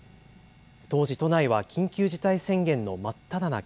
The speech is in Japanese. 当時、都内は緊急事態宣言の真っただ中。